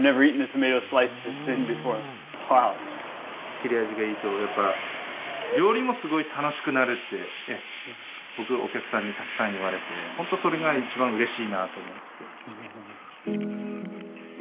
切れ味がいいとやっぱ料理もすごい楽しくなるって僕お客さんにたくさん言われて本当それが一番うれしいなと思ってて。